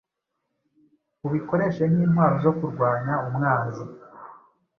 ubikoreshe nk’intwaro zo kurwanya umwanzi